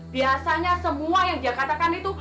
biasanya semua yang dia katakan itu